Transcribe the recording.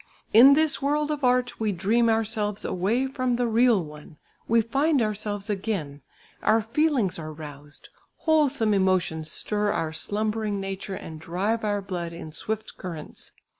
"In this world of art we dream ourselves away from the real one, we find ourselves again, our feelings are roused, wholesome emotions stir our slumbering nature and drive our blood in swift currents.